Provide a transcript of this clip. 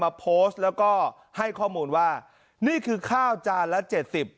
มาโพสต์แล้วก็ให้ข้อมูลว่านี่คือข้าวจานละเจ็ดสิบ